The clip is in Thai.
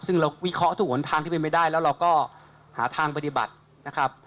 ซึ่งเราวิเคราะห์ทุกหนทางที่เป็นไม่ได้แล้วเราก็หาทางปฏิบัตินะครับ